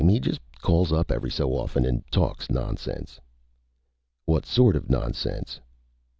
He just calls up every so often and talks nonsense." "What sort of nonsense?"